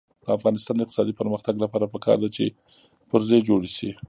د افغانستان د اقتصادي پرمختګ لپاره پکار ده چې پرزې جوړې شي.